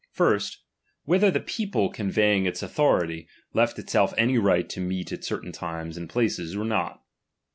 First, whether the people convey ing its authority, left itself any right to meet at certain times and places, or not.